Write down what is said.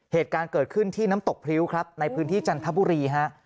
เหตุการณ์เกิดขึ้นที่น้ำตกพริ้วครับในพื้นที่จันทบุรีฮะ